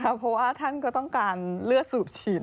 เพราะว่าท่านก็ต้องการเลือดสูบฉีด